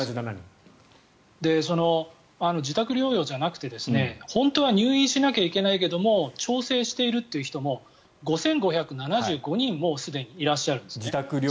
その自宅療養じゃなくて本当は入院しなきゃいけないけれども調整しているという人も５５７５人、もうすでにいらっしゃるんですね。